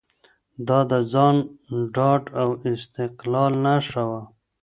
دا د ځان ډاډ او استقلال نښه وه.